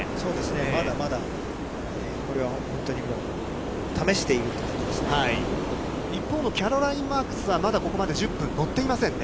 まだまだ、これは本当に試してい一方のキャロライン・マークスは、まだここまで１０分、乗っていませんね。